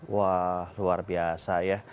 wah luar biasa ya